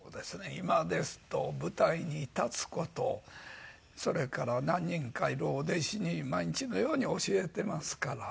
今ですと舞台に立つ事それから何人かいるお弟子に毎日のように教えていますから。